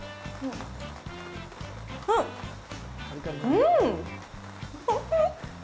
うん！